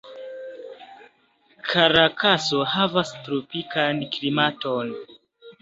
Karakaso havas tropikan klimaton.